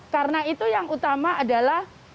karena itu yang utama adalah kita